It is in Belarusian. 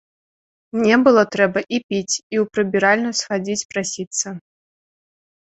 Мне было трэба і піць і ў прыбіральню схадзіць прасіцца.